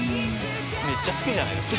めっちゃ好きじゃないですか。